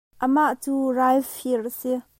Amah cu ralfir a si.